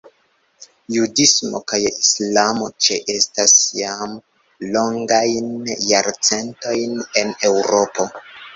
Judismo kaj islamo ĉeestas jam longajn jarcentojn en Eŭropo.